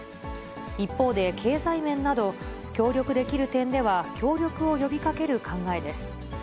一方で経済面など、協力できる点では協力を呼びかける考えです。